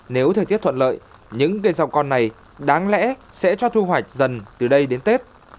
nếu thời tiết thuận lợi những cây rau con này đáng lẽ sẽ cho thu hoạch dần từ đây đến tết